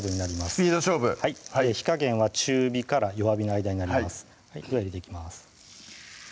スピード勝負火加減は中火弱火の間になりますでは入れていきます